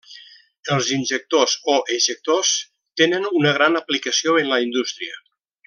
Els injectors o ejectors tenen una gran aplicació en la indústria.